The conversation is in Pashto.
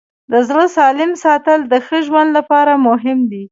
د زړه سالم ساتل د ښه ژوند لپاره مهم دي.